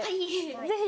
ぜひ。